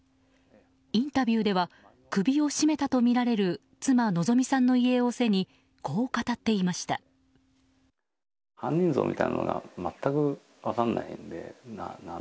インタビューでは首を絞めたとみられる妻・希美さんの遺影を背にこう語っていました。